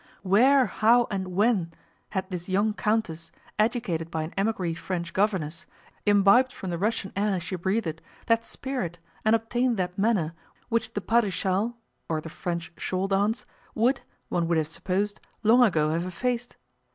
Where, how, and when had this young countess, educated by an émigrée French governess, imbibed from the Russian air she breathed that spirit and obtained that manner which the pas de châle * would, one would have supposed, long ago have effaced?